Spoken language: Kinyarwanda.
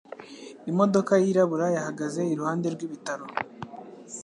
Imodoka yirabura yahagaze iruhande rwibitaro.